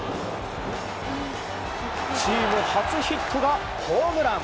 チーム初ヒットがホームラン！